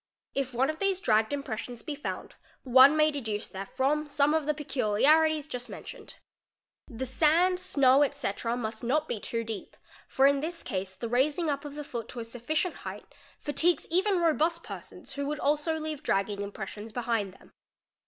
If one of these dragged impressions be found, one may deduce therefrom some of the peculiarities just mentioned. 'The sand, snow, &c., must not be too deep, for in this case the raising up of the foot to a sufficient height fatigues even robust persons who would also leave dragging impressions behind them.